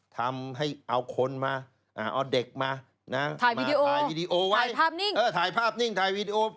ทำให้เอาคนมาเอาเด็กมานะถ่ายวีดีโอไว้ถ่ายภาพนิ่งถ่ายวีดีโอ